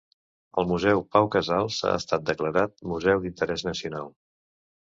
El Museu Pau Casals ha estat declarat museu d'interès nacional.